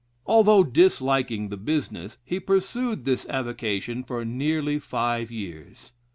Although disliking the business, he pursued this avocation for nearly five years.